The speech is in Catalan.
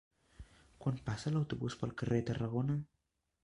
Quan passa l'autobús pel carrer Tarragona?